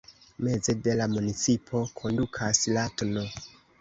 Meze de la municipo kondukas la tn.